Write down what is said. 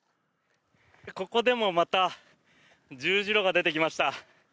ここでもまた十字路が出てきました。